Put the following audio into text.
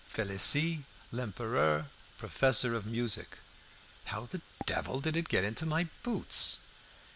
Felicie Lempereur, professor of music." "How the devil did it get into my boots?"